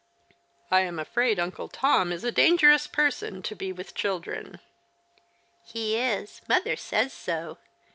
" I am afraid Uncle Tom is a dangerous person to be with children." "He is. Mother says so.